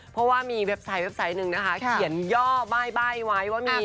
เพราะว่ามีเว็บไซต์นึงนะคะเขียนย่อบ้ายไว้ว่ามี